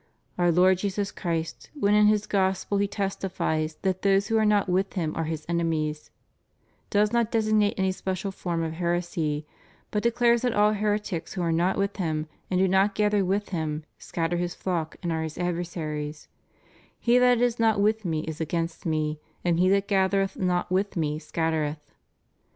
"Our Lord Jesus Christ, when in His Gospel He testifies that those who are not with Him are His enemies, does not designate any special form of heresy, but declares that all heretics who are not with Him and do not gather with Him, scatter His flock and are His adversaries: He that is not with Me is against Me, and he that gathereth not with Me scattereth."